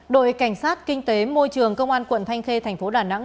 đội cảnh sát kinh tế môi trường công an quận thanh khê thành phố đà nẵng